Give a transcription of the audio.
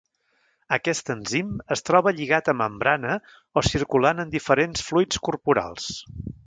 Aquest enzim es troba lligat a membrana o circulant en diferents fluids corporals.